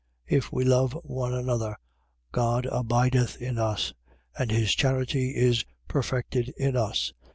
If we love one another, God abideth in us: and his charity is perfected in us.